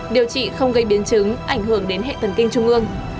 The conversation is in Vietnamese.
điều trị không gây biến chứng ảnh hưởng đến hệ thần kinh trung ương